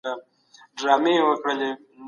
بخښنه کول د زړور انسان کار دی.